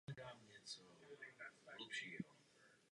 Celá jeho rodina byli zpěváci.